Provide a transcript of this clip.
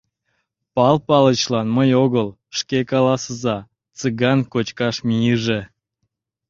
Пал Палычлан мый огыл, шке каласыза: Цыган кочкаш мийыже.